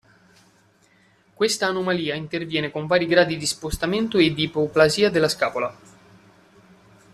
Questa anomalia interviene con vari gradi di spostamento e di ipoplasia della scapola.